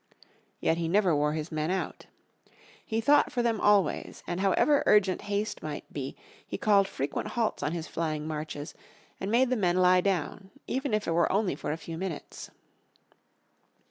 Yet he never wore his men out. He thought for them always, and however urgent haste might be he called frequent halts on his flying marches, and made the men lie down even if it were only for a few minutes.